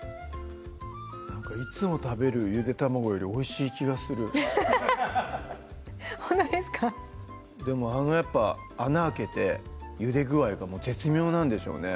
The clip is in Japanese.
なんかいつも食べるゆで卵よりおいしい気がするほんとですかでもあのやっぱ穴開けてゆで具合が絶妙なんでしょうね